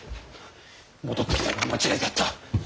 戻ってきたのが間違いであった。